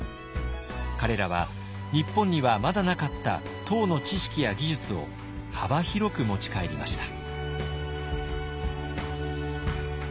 彼らは日本にはまだなかった唐の知識や技術を幅広く持ち帰りました。